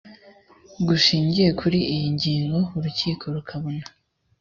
gishingiye kuri iyi ngingo urukiko rukabona